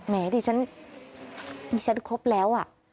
แหมดิฉันครบแล้ว